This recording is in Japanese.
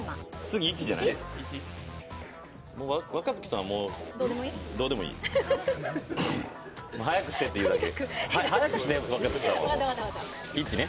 若槻さん、もうどうでもいい。早くしてって言うだけ。